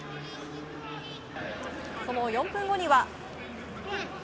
その４分後には。